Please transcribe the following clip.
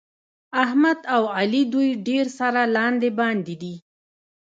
احمد او علي دوی ډېر سره لاندې باندې دي.